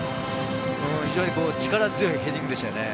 力強いヘディングでしたね。